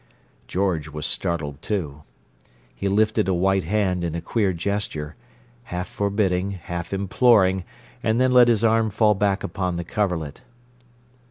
George was startled, too. He lifted a white hand in a queer gesture, half forbidding, half imploring, and then let his arm fall back upon the coverlet.